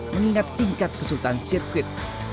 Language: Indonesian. mengingat tingkat kesultan sirkuit